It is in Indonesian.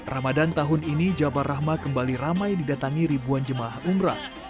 ramadan tahun ini jabar rahma kembali ramai didatangi ribuan jemaah umrah